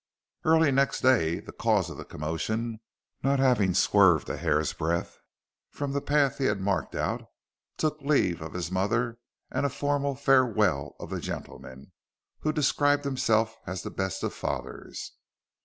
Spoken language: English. Early next day the cause of the commotion, not having swerved a hair's breadth from the path he had marked out, took leave of his mother, and a formal farewell of the gentleman who described himself as the best of fathers.